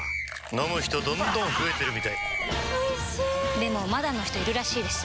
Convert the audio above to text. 飲む人どんどん増えてるみたいおいしでもまだの人いるらしいですよ